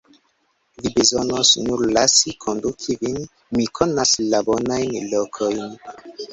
Vi bezonos nur lasi konduki vin; mi konas la bonajn lokojn.